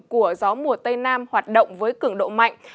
của gió mùa tây nam hoạt động với cường độ mạnh